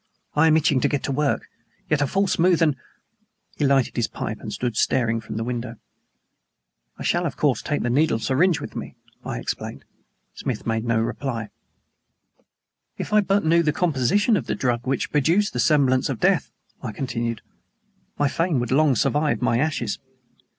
"I am itching to get to work. Yet, a false move, and " He lighted his pipe, and stood staring from the window. "I shall, of course, take a needle syringe with me," I explained. Smith made no reply. "If I but knew the composition of the drug which produced the semblance of death," I continued, "my fame would long survive my ashes."